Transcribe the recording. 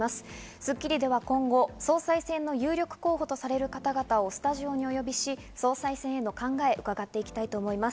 『スッキリ』では今後、総裁選の有力候補とされる方々をスタジオにお呼びし、総裁選への考えを伺っていきます。